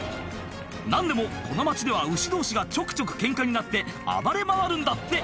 何でもこの街では牛同士がちょくちょくケンカになって暴れ回るんだって！